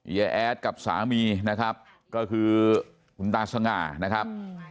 แอดกับสามีนะครับก็คือคุณตาสง่านะครับ